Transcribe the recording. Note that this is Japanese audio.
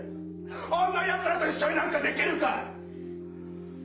あんなヤツらと一緒になんかできるか！